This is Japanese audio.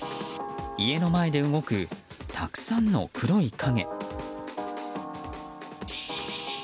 家の前で動くたくさんの黒い影。